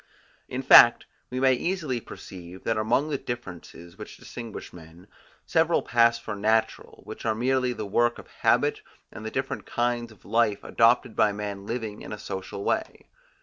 In fact, we may easily perceive that among the differences, which distinguish men, several pass for natural, which are merely the work of habit and the different kinds of life adopted by men living in a social way.